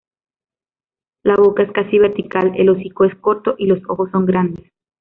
La boca es casi vertical, el hocico es corto y los ojos son grandes.